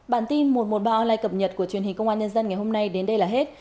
bản tin một trăm một mươi ba online cập nhật của truyền hình công an nhân dân ngày hôm nay đến đây là hết